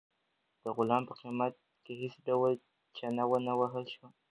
د غلام په قیمت کې هیڅ ډول چنه ونه وهل شوه.